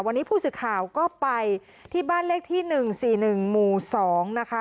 วันนี้ผู้สื่อข่าวก็ไปที่บ้านเลขที่๑๔๑หมู่๒นะคะ